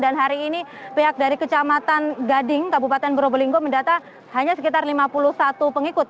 dan hari ini pihak dari kecamatan gading kabupaten borobelinggo mendata hanya sekitar lima puluh satu pengikut